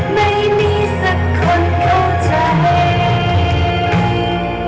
ไม่มีสักคนเข้าใจ